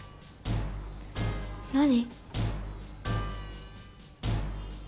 何？